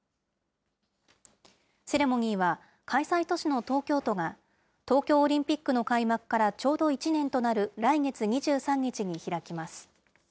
セレモニーは、開催都市の東京都が、東京オリンピックの開幕からちょうど１年となる来月２３日に開きます。